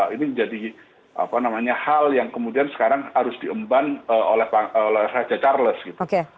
ini menjadi hal yang kemudian sekarang harus diemban oleh raja charles gitu